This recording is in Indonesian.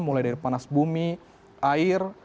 mulai dari panas bumi air